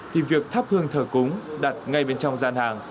thì việc thắp hương thở cúng đặt ngay bên trong gian hàng